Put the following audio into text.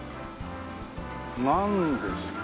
なんですか？